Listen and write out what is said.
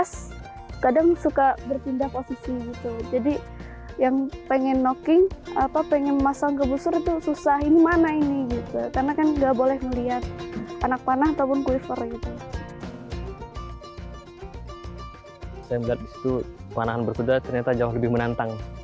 saya melihat di situ pemanangan berkuda ternyata jauh lebih menantang